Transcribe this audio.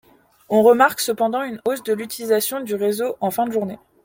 On remarque cependant une hausse de l'utilisation du réseau en fin de journée.